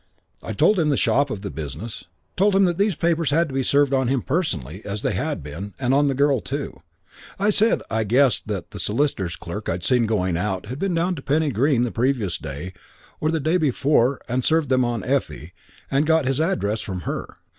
I told him the shop of the business. Told him that these papers had to be served on him personally, as they had been, and on the girl, too. I said I guessed that the solicitor's clerk I'd seen going out had been down to Penny Green the previous day or the day before and served them on Effie and got his address from her.